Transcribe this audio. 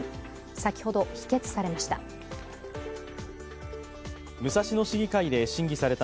先ほど否決されました。